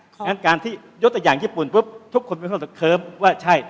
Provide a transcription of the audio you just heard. ดังนั้นการที่ยดตะอย่างญี่ปุ่นทุกคนเคิ้มว่าใช่